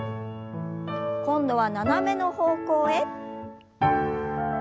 今度は斜めの方向へ。